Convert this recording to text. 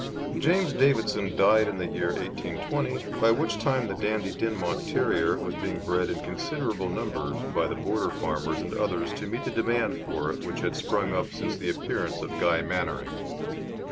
James Davidson died in the year 1820, by which time the Dandie Dinmont Terrier was being bred in considerable numbers by the Border farmers and others to meet the demand for it which had sprung up since the appearance of Guy Mannering.